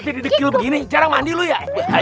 jadi begini jarang mandi lu ya